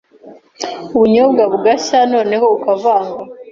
ubunyobwa bugashya noneho ukavanga